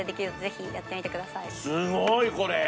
すごいこれ！